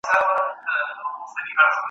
ولي بریالي خلګ تل د خپلو موخو لپاره وږي وي؟